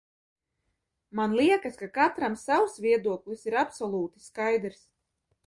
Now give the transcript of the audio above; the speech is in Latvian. Man liekas, ka katram savs viedoklis ir absolūti skaidrs.